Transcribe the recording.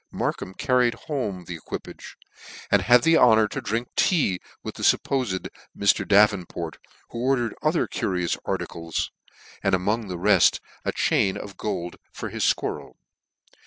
Markham carried home the equipage, and had the honour to drink tea with the fuppofed Mr. Davenport, who ordered other curious ar ticles, and among the reft a chain of gold for his fquirrel.